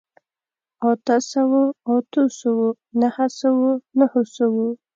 اته سوو، اتو سوو، نهه سوو، نهو سوو